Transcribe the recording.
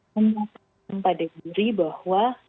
memuatkan pada diri bahwa